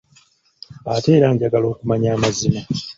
Ate era njagala okumanya amazima.